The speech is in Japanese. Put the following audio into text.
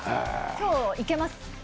今日いけます。